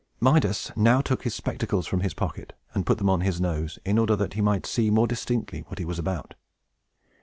Midas now took his spectacles from his pocket, and put them on his nose, in order that he might see more distinctly what he was about.